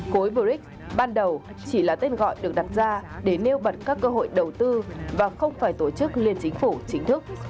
khối brics ban đầu chỉ là tên gọi được đặt ra để nêu bật các cơ hội đầu tư và không phải tổ chức liên chính phủ chính thức